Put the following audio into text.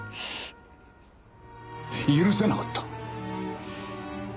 許せなかった。